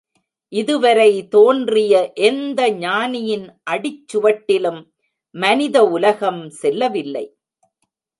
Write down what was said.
இதுவரை தோன்றிய எந்த ஞானியின் அடிச்சுவட்டிலும் மனித உலகம் செல்லவில்லை.